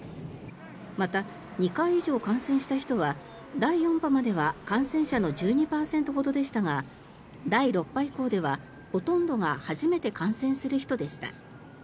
また、２回以上感染した人は第４波までは感染者の１２％ほどでしたが第６波以降ではほとんどが初めて感染する人でした。